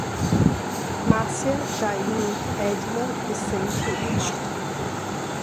Márcia, Jair, Edna, Vicente e Marta